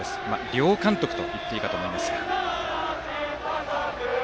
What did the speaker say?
両監督と言っていいかと思います。